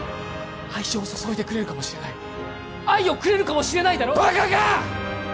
愛情を注いでくれるかもしれない愛をくれるかもしれないだろバカか！